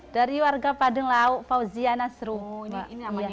dari warga padenglau fauzia nasrum